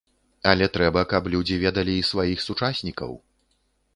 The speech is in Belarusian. Але трэба, каб людзі ведалі і сваіх сучаснікаў.